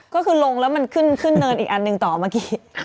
ก็คือลงแล้วมันขึ้นเนินอีกอันหนึ่งต่อเมื่อกี้